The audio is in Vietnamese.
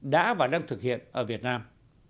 đã và đang thực hiện ở việt nam